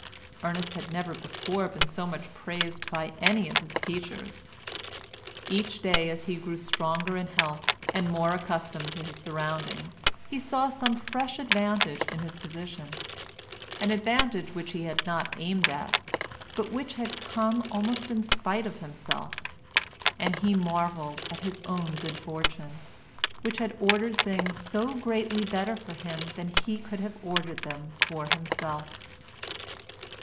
Ernest had never before been so much praised by any of his teachers. Each day as he grew stronger in health and more accustomed to his surroundings he saw some fresh advantage in his position, an advantage which he had not aimed at, but which had come almost in spite of himself, and he marvelled at his own good fortune, which had ordered things so greatly better for him than he could have ordered them for himself.